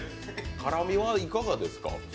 辛みはいかがですか？